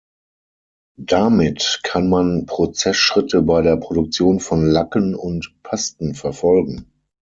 Damit kann man Prozessschritte bei der Produktion von Lacken und Pasten verfolgen.